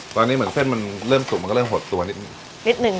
ตอนนี้เหมือนเส้นมันเริ่มสุกมันก็เริ่มหดตัวนิดหนึ่งนิดนึง